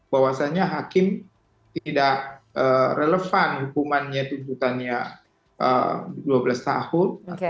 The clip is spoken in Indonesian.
bahwasannya hakim tidak relevan hukumannya tuntutannya dua belas tahun